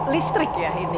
listrik ya ini